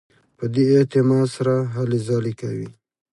په دې اعتماد سره هلې ځلې کوي.